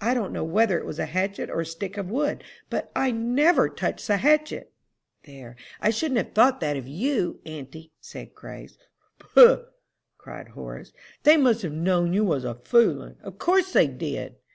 I don't know whether it was a hatchet or a stick of wood; but I never touched the hatchet!'" "There, I shouldn't have thought that of you, auntie," said Grace. "Poh!" cried Horace, "they must have known you was a foolin'; of course they did!"